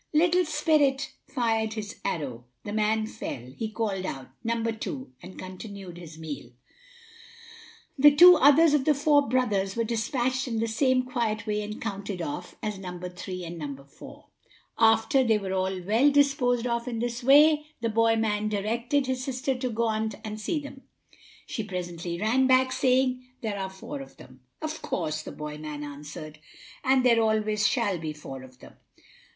Little spirit fired his arrow the man fell he called out, "Number two," and continued his meal. The two others of the four brothers were despatched in the same quiet way and counted off as "Number three" and "Number four." After they were all well disposed of in this way, the boy man directed his sister to go ont and see them. She presently ran back, saying: "There are four of them." "Of course," the boy man answered, "and there always shall be four of them."